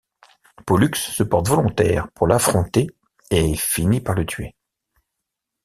Pollux se porte volontaire pour l'affronter et finit par le tuer.